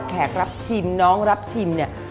แขกรับชิมน้องรับชิมเนี่ย